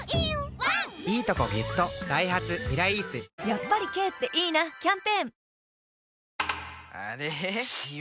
やっぱり軽っていいなキャンペーン